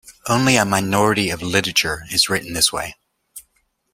Only a minority of literature is written this way.